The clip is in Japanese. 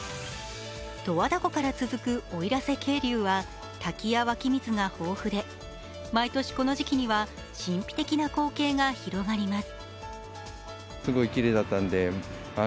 十和田湖から続く奥入瀬渓流は滝や湧き水が豊富で毎年この時期には神秘的な光景が広がります。